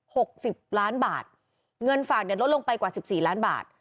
หกสิบล้านบาทเงินฝากเนี่ยลดลงไปกว่าสิบสี่ล้านบาท